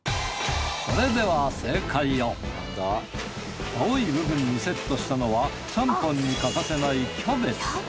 それでは青い部分にセットしたのはちゃんぽんに欠かせないキャベツ。